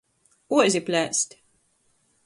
Uozi plēst.